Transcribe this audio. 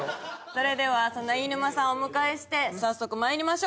それではそんな飯沼さんをお迎えして早速まいりましょう